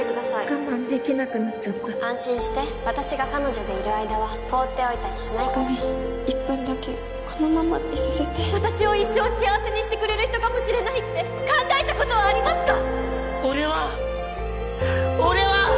我慢できなくなっちゃった安心して私が彼女でいる間は放っておごめん１分だけこのままでいさせて私を一生幸せにしてくれる人かもしれないって考えたことはありますか